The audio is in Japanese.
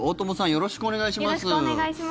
よろしくお願いします。